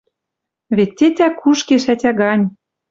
Вет тетя кушкеш ӓтя гань;